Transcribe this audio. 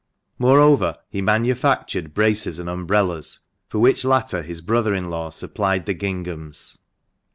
Moreover, he manufactured braces and umbrellas, for which latter his brother in law supplied the ginghams.